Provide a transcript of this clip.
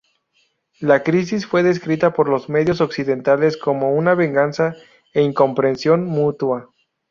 La crisis fue descrita por los medios occidentales como una "venganza e incomprensión mutua".